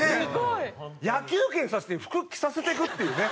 野球拳させて服着させていくっていうね。